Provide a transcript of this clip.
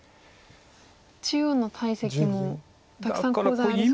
中央の大石もたくさんコウ材ありそう。